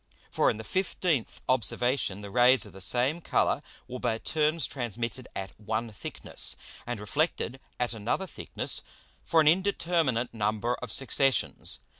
For in the 15th Observation the Rays of the same Colour were by turns transmitted at one thickness, and reflected at another thickness, for an indeterminate number of Successions.